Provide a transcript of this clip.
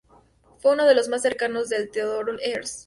Fue uno de los más cercanos de Teodoro Herzl.